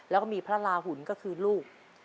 แล้วก็มีพระราหุ่นก็คือลูก